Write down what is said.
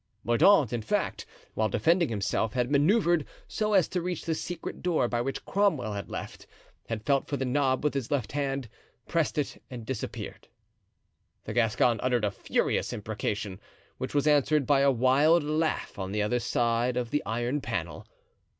Mordaunt, in fact, while defending himself, had manoeuvred so as to reach the secret door by which Cromwell had left, had felt for the knob with his left hand, pressed it and disappeared. The Gascon uttered a furious imprecation, which was answered by a wild laugh on the other side of the iron panel.